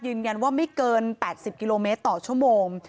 ยืนยันว่าไม่เกิน๘๐กิโลเมตรต่อชั่วโมง